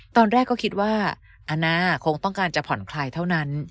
ตอนแรกก็คิดว่าอาณาคงต้องการจะผ่อนคลายเท่านั้น